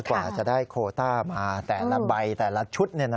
กว่าจะได้โคต้ามาแต่ละใบแต่ละชุด